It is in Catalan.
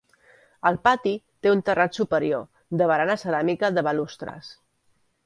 El pati té un terrat superior, de barana ceràmica de balustres.